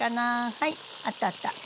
はいあったあった。